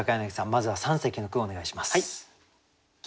まずは三席の句をお願いします。